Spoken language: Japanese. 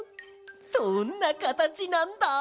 どんなかたちなんだ？